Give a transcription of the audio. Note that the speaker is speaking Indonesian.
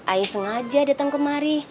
ae sengaja dateng kemari